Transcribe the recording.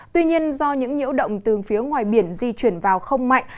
tuy nhiên do những nhiễu động từ phía ngoài biển di chuyển vào không mạnh